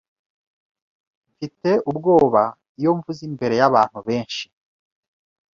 Mfite ubwoba iyo mvuze imbere yabantu benshi.